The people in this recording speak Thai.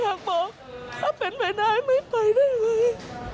อยากบอกถ้าเป็นไปได้ไม่ไปได้เลย